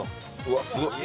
うわっすごい！